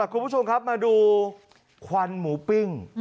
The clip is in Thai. คุณผู้ชมครับมาดูควันหมูปิ้ง